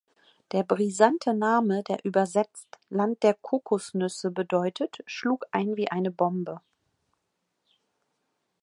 Der brisante Name, der übersetzt „Land der Kokosnüsse“ bedeutet, schlug ein wie eine Bombe.